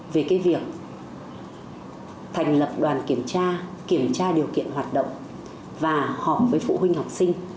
về việc thành lập đoàn kiểm tra kiểm tra điều kiện hoạt động và họp với phụ huynh học sinh